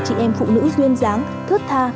chị em phụ nữ duyên dáng thớt tha